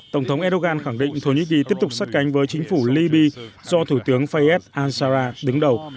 tổng thống erdogan khẳng định thổ nhĩ kỳ tiếp tục sát cánh với chính phủ libya do thủ tướng fayyad ansara đứng đầu